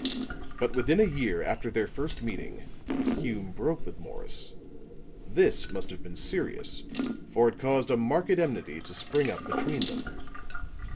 But within a year after their first meeting, Hume broke with Morris. This must have been serious, for it caused a marked enmity to spring up between them.